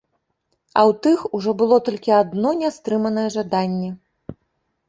А ў тых ужо было толькі адно нястрыманае жаданне.